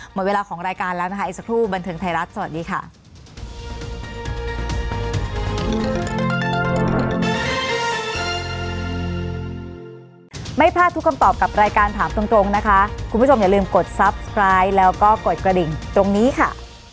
หมดเวลาของรายการแล้วนะคะอีกสักครู่บันเทิงไทยรัฐสวัสดีค่ะ